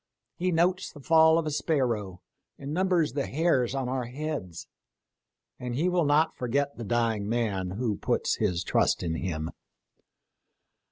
He notes the fall of a sparrow, and numbers the hairs of our heads ; and He will not forget the dying man who puts his trust in him.